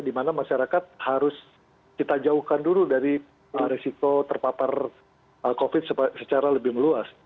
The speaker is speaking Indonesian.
dimana masyarakat harus kita jauhkan dulu dari resiko terpapar covid secara lebih meluas